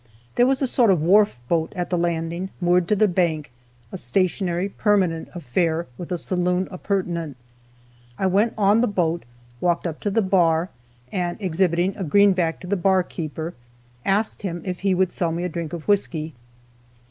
There was a sort of a wharf boat at the landing, moored to the bank, a stationary, permanent affair, with a saloon appurtenant. I went on the boat, walked up to the bar, and exhibiting a greenback to the bar keeper, asked him if he would sell me a drink of whisky.